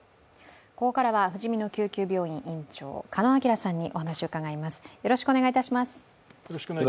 ここからはふじみの救急病院院長、鹿野晃さんにお話を伺います。